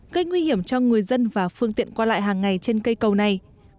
gây nguy hiểm cho người dân và phương tiện qua lại hàng ngày trên cây cầu này